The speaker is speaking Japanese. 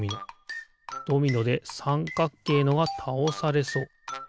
ドミノでさんかっけいのがたおされそう。